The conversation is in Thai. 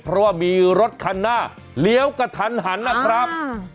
เพราะว่ามีรถคันหน้าเลี้ยวกระทันหันนะครับ